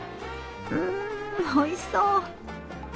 うんおいしそう！